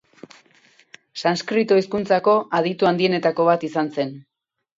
Sanskrito hizkuntzako aditu handienetako bat izan zen.